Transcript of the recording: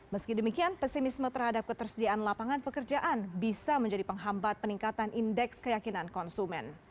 meski demikian pesimisme terhadap ketersediaan lapangan pekerjaan bisa menjadi penghambat peningkatan indeks keyakinan konsumen